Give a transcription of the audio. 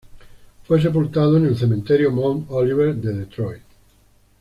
Fue sepultado en el cementerio Mount Olivet de Detroit.